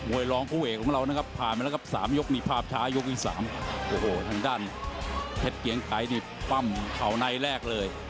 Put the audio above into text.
หน้าดักแทนไม่สวยงามมาก